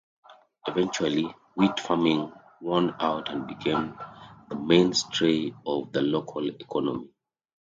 Eventually, wheat farming won out and became the mainstay of the local economy.